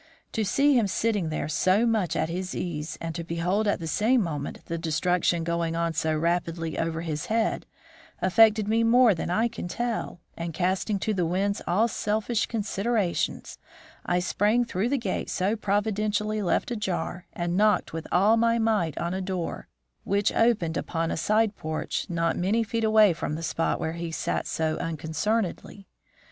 To see him sitting there so much at his ease, and to behold at the same moment the destruction going on so rapidly over his head, affected me more than I can tell, and casting to the winds all selfish considerations, I sprang through the gate so providentially left ajar and knocked with all my might on a door which opened upon a side porch not many feet away from the spot where he sat so unconcernedly.